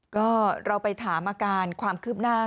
ก็เราไปถามอาการความคืบหน้า